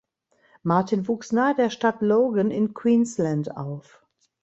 Martin wuchs nahe der Stadt Logan in Queensland auf.